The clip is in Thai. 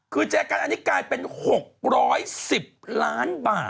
คือแจกันอันนี้กลายเป็น๖๑๐ล้านบาท